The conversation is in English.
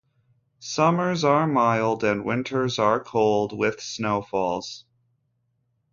Summers are mild and winters are cold, with snowfalls.